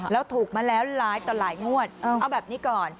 แล้วถูกมาแล้วหลายต่อหลายงวดเอาแบบนี้ก่อน